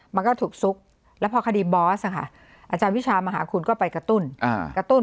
มันก็ถูกซุกแล้วพอคดีบอสอาจารย์วิชามหาคุณก็ไปกระตุ้นกระตุ้น